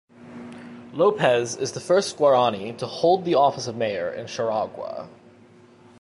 Lopez is the first Guarani to hold the office of mayor in Charagua.